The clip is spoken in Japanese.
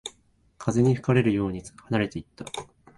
風に吹かれるように離れていった